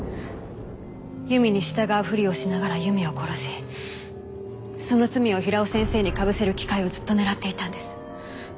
由美に従うふりをしながら由美を殺しその罪を平尾先生にかぶせる機会をずっと狙っていたんです。